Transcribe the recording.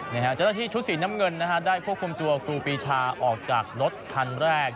เจ้าหน้าที่ชุดสีน้ำเงินได้ควบคุมตัวครูปีชาออกจากรถคันแรก